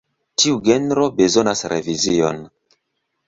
Tiu genro bezonas revizion.